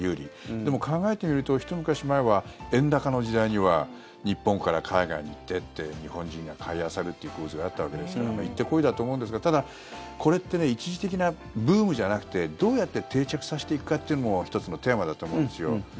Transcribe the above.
でも、考えてみるとひと昔前は、円高の時代には日本から海外に行って日本人が買いあさるっていう構図があったわけですから行って来いだと思うんですがただ、これって一時的なブームじゃなくてどうやって定着させていくかっていうのも１つのテーマだと思うんですよ。